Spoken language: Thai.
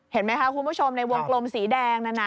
เห็นไหมคะคุณผู้ชมในวงกลมสีแดงนั่นน่ะ